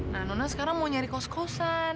nah nono sekarang mau nyari kos kosan